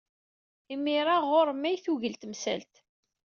Imir-a, ɣer-m ay tugel temsalt.